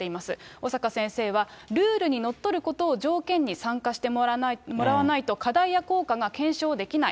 小坂先生は、ルールにのっとることを条件に参加してもらわないと、課題や効果が検証できない。